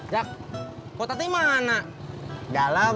jakotet ini mana dalam